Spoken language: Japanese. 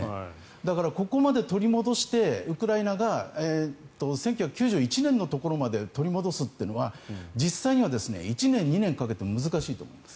だから、ここまで取り戻してウクライナが１９９１年のところまで取り戻すというのは実際には１年、２年をかけても難しいと思います。